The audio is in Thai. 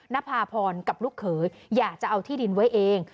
นภาพรกับลูกเขยอยากจะเอาที่ดินไว้เอง